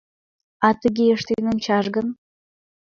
А тыге ыштен ончаш гын?